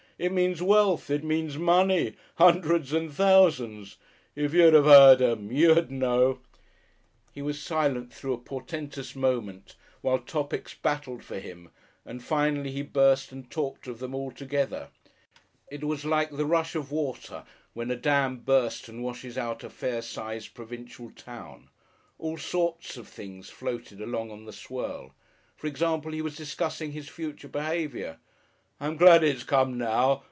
It means wealth, it means money hundreds and thousands.... If you'd heard 'em, you'd know." He was silent through a portentous moment while topics battled for him and finally he burst and talked of them all together. It was like the rush of water when a dam bursts and washes out a fair sized provincial town; all sorts of things floated along on the swirl. For example, he was discussing his future behaviour. "I'm glad it's come now.